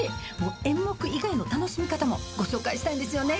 演目以外の楽しみ方もご紹介したいんですよね。